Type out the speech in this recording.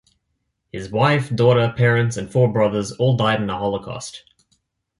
His wife, daughter, parents and four brothers all died in the Holocaust.